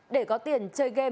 để có tiền chơi game